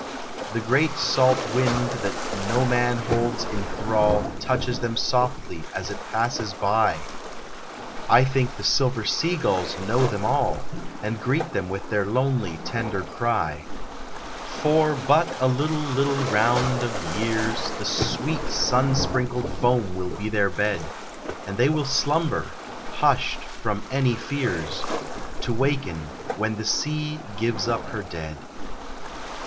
The great salt wind that no man holds in thrall, Touches them softly, as it passes by; I think the silver sea gulls know them all, And greet them with their lonely tender cry. For but a little little round of years, The sweet sun sprinkled foam will be their bed, And they will slumber hushed from any fears To waken, when the sea gives up her dead.